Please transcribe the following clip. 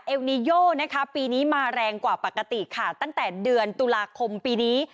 นีโยนะคะปีนี้มาแรงกว่าปกติค่ะตั้งแต่เดือนตุลาคมปีนี้